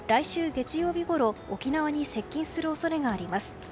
月曜日ごろ沖縄に接近する恐れがあります。